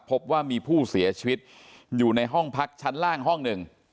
พบว่ามีผู้เสียชีวิตอยู่ในห้องพักชั้นล่างห้องหนึ่ง